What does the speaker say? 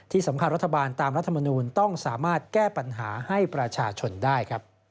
ที่สำคัญรัฐบาลตามรัฐมนูลต้องสามารถแก้ปัญหาให้ประชาชนได้